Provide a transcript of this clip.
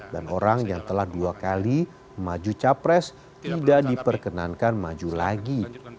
dan orang yang telah dua kali maju capres tidak diperkenankan maju lagi